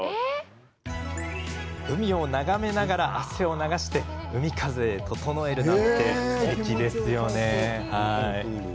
海を眺めながら汗を流して海風で整えるなんてすてきですよね。